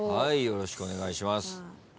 よろしくお願いします。